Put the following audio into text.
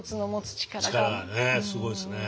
力がねすごいですね。